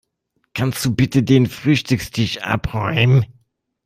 Kannst du bitte den Frühstückstisch abräumen?